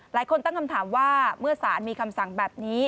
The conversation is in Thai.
หลายคนตั้งคำถามว่าเมื่อสารมีคำสั่งแบบนี้